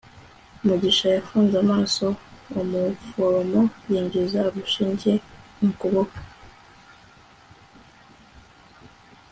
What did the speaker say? mugisha yafunze amaso umuforomo yinjiza urushinge mu kuboko